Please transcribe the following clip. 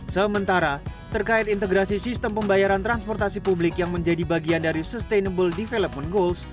sementara terkait integrasi sistem pembayaran transportasi publik yang menjadi bagian dari sustainable development goals